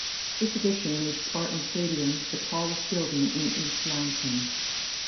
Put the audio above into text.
This addition made Spartan Stadium the tallest building in East Lansing.